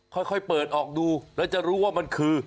ค่อยเปิดออกดูแล้วจะรู้ว่ามันคือ